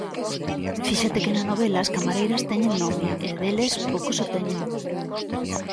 Fíxate que na novela as camareiras teñen nome e, deles, poucos o teñen.